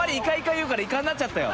言うからイカになっちゃったよ。